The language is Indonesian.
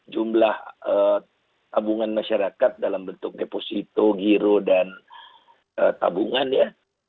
jumlah tabungan masyarakat dalam bentuk deposito giro dan tabungan ya